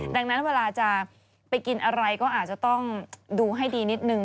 ดังนั้นเวลาจะไปกินอะไรก็อาจจะต้องดูให้ดีนิดนึง